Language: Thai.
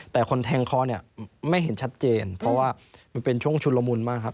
แต่คนแทงคอเนี่ยไม่เห็นชัดเจนเพราะว่ามันเป็นช่วงชุนละมุนมากครับ